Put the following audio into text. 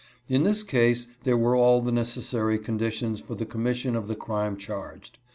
In this case there were all the necessary condi tions for the commission of the crime charged.